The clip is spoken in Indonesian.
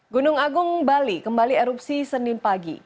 gunung agung bali kembali erupsi senin pagi